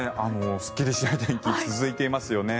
すっきりしない天気が続いていますよね。